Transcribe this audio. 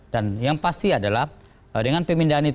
dan yang pasti adalah dengan pemindahan itu